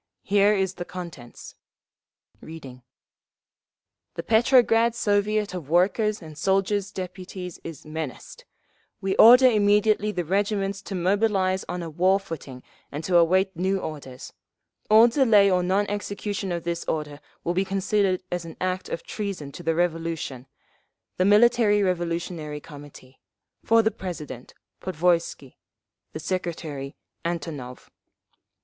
Here is the contents." Reading: _"'The Petrograd Soviet of Workers' and Soldiers' Deputies is menaced. We order immediately the regiments to mobilise on a war footing and to await new orders. All delay or non execution of this order will be considered as an act of treason to the Revolution. The Military Revolutionary Committee. For the President, Podvoisky. The Secretary, Antonov.